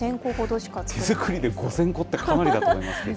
手作りで５０００個って、かなりだと思いますけど。